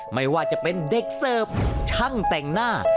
ไม่ว่าจะเป็นเด็กเสิร์ฟช่างแต่งหน้า